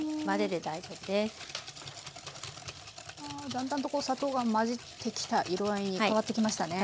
だんだんと砂糖が混じってきた色合いに変わってきましたね。